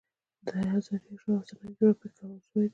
د هزار و یک شب افسانوي جوړښت پکې کارول شوی دی.